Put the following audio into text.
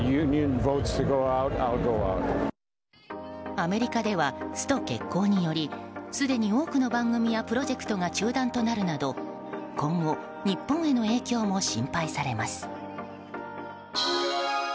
アメリカではスト決行によりすでに、多くの番組やプロジェクトが中断となるなど今後、日本への影響も心配されます。